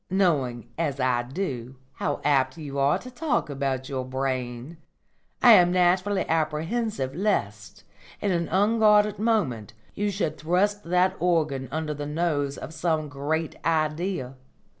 Knowing, as I do, how apt you are to talk about your brain, I am naturally apprehensive lest, in an unguarded moment, you should thrust that organ under the nose of some Great Idea.